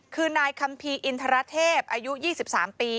คือนายคัมภีร์อินทรเทพอายุ๒๓ปี